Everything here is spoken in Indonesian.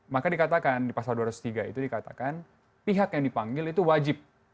maka dikatakan di pasal dua ratus tiga itu dikatakan pihak yang dipanggil itu wajib